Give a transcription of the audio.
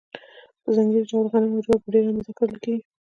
په ځانګړي ډول غنم او جوار په ډېره اندازه کرل کیږي.